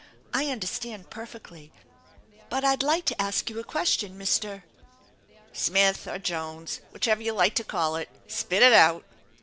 " I understand perfectly. But I'd like to gsk you a question, Mr. ?"" Smith, or Jones, whichever you like to call it. Spit if out!"